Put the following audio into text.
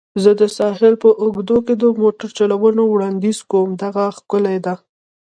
زه د ساحل په اوږدو کې د موټر چلولو وړاندیز کوم. دغه ښکلې ده.